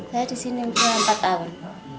saya di sini umur empat tahun